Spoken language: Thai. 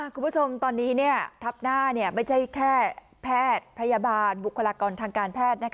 คุณผู้ชมตอนนี้ทับหน้าไม่ใช่แค่แพทย์พยาบาลบุคลากรทางการแพทย์